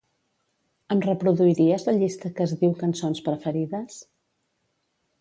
Em reproduiries la llista que es diu cançons preferides?